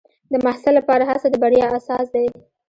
د محصل لپاره هڅه د بریا اساس دی.